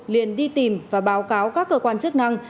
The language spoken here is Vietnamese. liền đi tìm và báo cáo các cơ quan chức năng